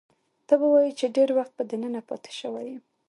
ته به وایې چې ډېر وخت به دننه پاتې شوی یم.